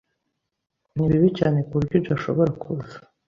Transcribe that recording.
Ni bibi cyane kuburyo udashobora kuza.